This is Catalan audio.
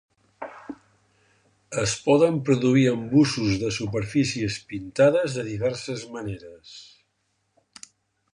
Es poden produir embussos de superfícies pintades de diverses maneres.